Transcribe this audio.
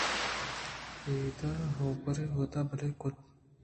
ادءَءُبرے اُودءَ بالے ئے کُت